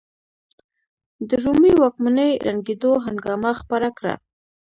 د رومي واکمنۍ ړنګېدو هنګامه خپره کړه.